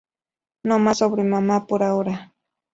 No más sobre mamá por ahora.